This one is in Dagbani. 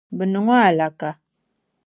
Bɛ niŋ o alaka.